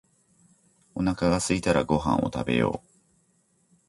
おなかがすいたらご飯を食べよう